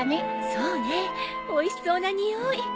そうねおいしそうな匂い。